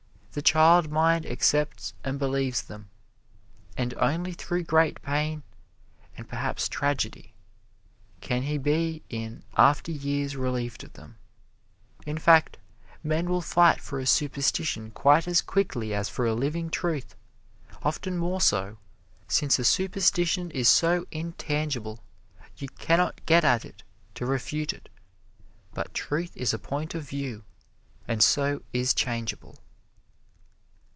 The child mind accepts and believes them, and only through great pain and perhaps tragedy can he be in after years relieved of them. In fact, men will fight for a superstition quite as quickly as for a living truth often more so, since a superstition is so intangible you can not get at it to refute it, but truth is a point of view, and so is changeable."